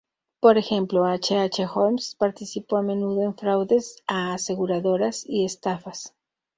Por ejemplo, H. H. Holmes participó a menudo en fraudes a aseguradoras y estafas.